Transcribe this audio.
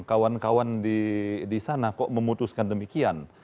kawan kawan di sana kok memutuskan demikian